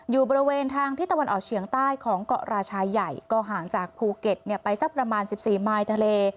อยู่บริเวณทางที่ตะวันออกเฉียงใต้ของเกาะราชายใหญ่ก็ห่างจากภูเก็ตไปสักประมาณ๑๔มายทะเล